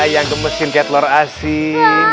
yang gemesin ketlor asin